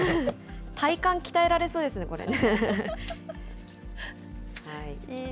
体幹鍛えられそうですね、これね。